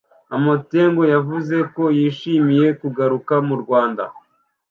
Amoateng yavuze ko yishimiye kugaruka mu Rwanda